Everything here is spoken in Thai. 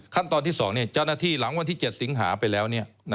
ขั้นตอนที่๒เจ้าหน้าที่หลังวันที่๗สิงหาไปแล้ว